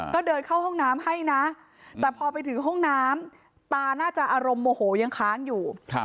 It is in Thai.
ก็เดินเข้าห้องน้ำให้นะแต่พอไปถึงห้องน้ำตาน่าจะอารมณ์โมโหยังค้างอยู่